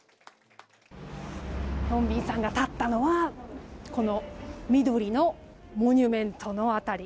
ヒョンビンさんが立ったのはこの緑のモニュメントの辺り。